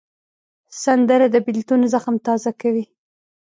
سندره د بېلتون زخم تازه کوي